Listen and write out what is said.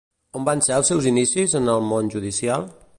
On van ser els seus inicis en el món judicial?